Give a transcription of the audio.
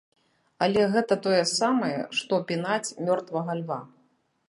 Але гэта тое самае, што пінаць мёртвага льва.